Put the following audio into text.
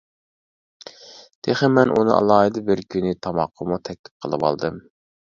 تېخى مەن ئۇنى ئالاھىدە بىر كۈنى تاماققىمۇ تەكلىپ قىلىۋالدىم.